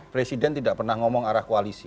presiden tidak pernah ngomong arah koalisi